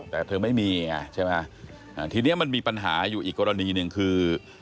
แต่เธอไม่มีไงใช่ไหมทีนี้มันมีปัญหาอยู่อีกกรณีหนึ่งคือ